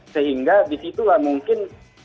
sehingga di situlah mungkin